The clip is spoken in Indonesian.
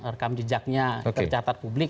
rekam jejaknya tercatat publik